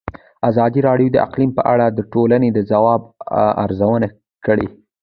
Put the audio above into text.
ازادي راډیو د اقلیم په اړه د ټولنې د ځواب ارزونه کړې.